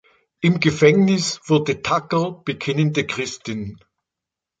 Im Gefängnis wurde Tucker bekennende Christin.